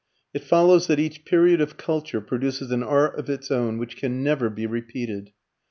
It follows that each period of culture produces an art of its own which can never be repeated.